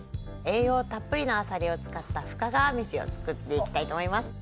栄養たっぷりのアサリを使った深川めしを作っていきたいと思います。